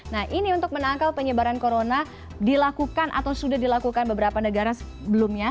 nah ini untuk menangkal penyebaran corona dilakukan atau sudah dilakukan beberapa negara sebelumnya